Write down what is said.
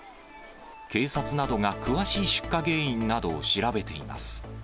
警察などが、詳しい出火原因などを調べています。